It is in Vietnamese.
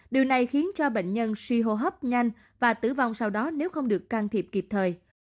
điều này khiến cho bệnh nhân suy hô hấp nhanh và tử vong sau đó nếu không được can thiệp kịp thời